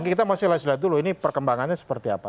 kita masih harus lihat dulu ini perkembangannya seperti apa